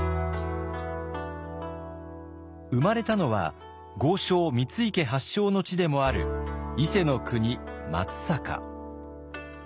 生まれたのは豪商三井家発祥の地でもある伊勢の国松阪。